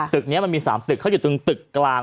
ตึกนี้มันมี๓ตึกเขาอยู่ตรงตึกกลาง